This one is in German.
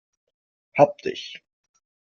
Hab dich!